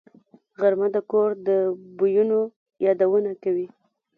غرمه د کور د بویونو یادونه کوي